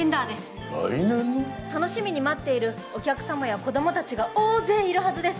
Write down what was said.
楽しみに待っているお客様や子どもたちが大勢いるはずです。